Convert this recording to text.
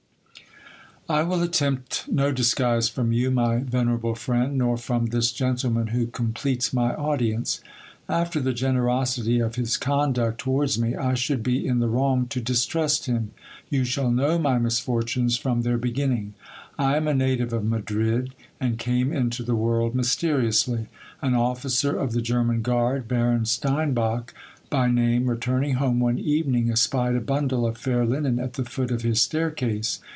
I WILL attempt no disguise from you, my venerable friend, nor from this gentleman who completes my audience. After the generosity of his conduct to wards me, I should be in the wrong to distrust him. You shall know my mis fortunes from their beginning. I am a native of Madrid, and came into the world mysteriously. An officer of the German guard, Baron Steinbach by name, returning home one evening, espied a bundle of fair linen at the foot of his staircase.